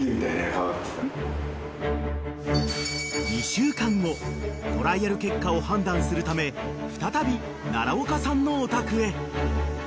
［２週間後トライアル結果を判断するため再び奈良岡さんのお宅へ］